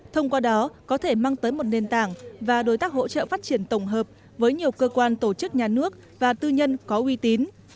thông qua đó có thể mang tới một nền tảng và đối tác hỗ trợ phát triển tổng hợp với nhiều cơ quan tổ chức nhà nước và tư nhân có uy tín